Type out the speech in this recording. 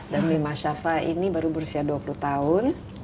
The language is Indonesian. dan mima shafa ini baru berusia dua puluh tahun